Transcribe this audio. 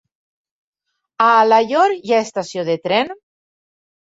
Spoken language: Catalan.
A Alaior hi ha estació de tren?